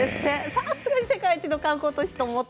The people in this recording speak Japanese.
さすがに世界一の観光都市ですが。